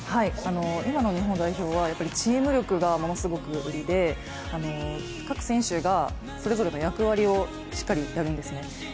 今の日本代表はチーム力がものすごく売りで、各選手がそれぞれの役割をしっかりやるんですね。